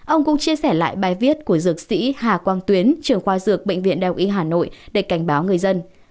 ông cũng chia sẻ lại bài viết của dược sĩ hà quang tuyến trưởng khoa dược bệnh viện đạo y hà nội để cảnh báo người dân